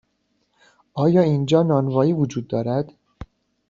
آیا اینجا نانوایی وجود دارد؟